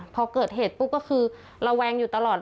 พอเกิดเหตุปุ๊บก็คือระแวงอยู่ตลอด